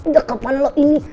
dekapan lu ini